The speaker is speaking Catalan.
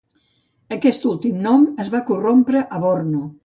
Aquest últim nom es va corrompre a Borno.